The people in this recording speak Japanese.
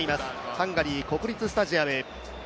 ハンガリー国立スタジアム。